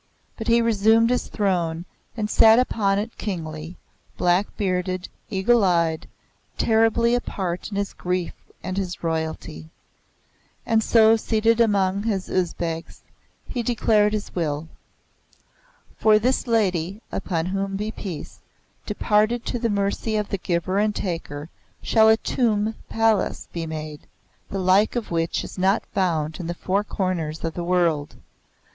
But he resumed his throne, and sat upon it kingly, black bearded, eagle eyed, terribly apart in his grief and his royalty; and so seated among his Usbegs, he declared his will. "For this Lady (upon whom be peace), departed to the mercy of the Giver and Taker, shall a tomb palace be made, the Like of which is not found in the four corners of the world.